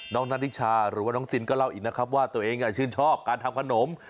นานิชาหรือว่าน้องซินก็เล่าอีกนะครับว่าตัวเองชื่นชอบการทำขนม